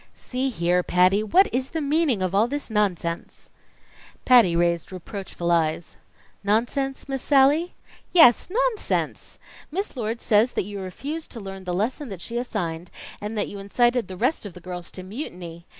"See here, Patty, what is the meaning of all this nonsense?" Patty raised reproachful eyes. "Nonsense, Miss Sallie?" "Yes, nonsense! Miss Lord says that you refused to learn the lesson that she assigned, and that you incited the rest of the girls to mutiny.